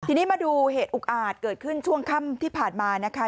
ทีนี้มาดูเหตุอุกอาจเกิดขึ้นช่วงค่ำที่ผ่านมานะคะ